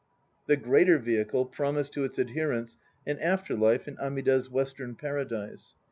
The "Greater Vehicle" promised to its adherents an after life in Amida's Western Paradise.